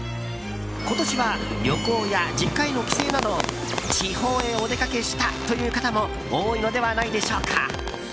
今年は旅行や実家への帰省など地方へお出かけしたという方も多いのではないでしょうか。